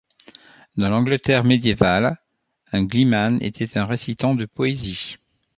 Dans l'Angleterre médiévale, un gleeman était un récitant de poésie.